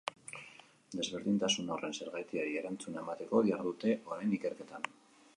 Desberdintasun horren zergatiari erantzuna emateko dihardute orain ikerketan.